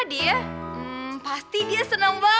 dia masih di kelas deh